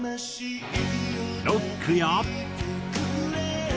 ロックや。